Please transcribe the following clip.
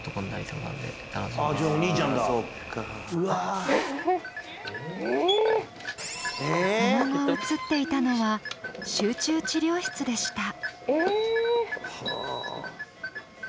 その後映っていたのは集中治療室でした。